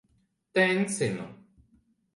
Tencinu.